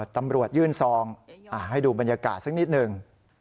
ตำรวจยื่นซองให้ดูบรรยากาศสักนิดหนึ่ง